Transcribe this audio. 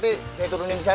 kalauhew kena beruntut vaya